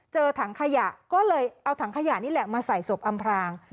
ถังขยะก็เลยเอาถังขยะนี่แหละมาใส่ศพอำพราง